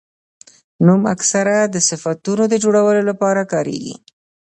نوم اکثره د صفتونو د جوړولو له پاره کاریږي.